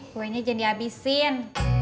kuenya jangan di abisin